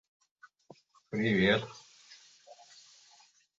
Snorre A has also a separate process module for production from the Vigdis field.